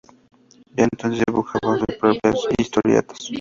Ya entonces, dibujaba su propias historietas.